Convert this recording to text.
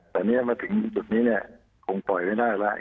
แต่มาถึงจุดนี้คงปล่อยไม่ได้แล้ว